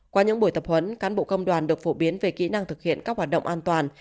qua những buổi tập huấn cán bộ công đoàn được phổ biến về kỹ năng thực hiện các hoạt động an toàn